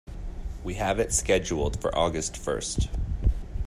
We have it scheduled for August first.